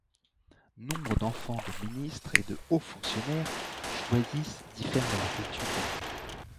Nombre d’enfants de ministres et de hauts fonctionnaires choisissent d’y faire leurs études.